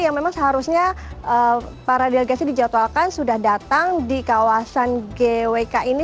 yang memang seharusnya para delegasi dijadwalkan sudah datang di kawasan gwk ini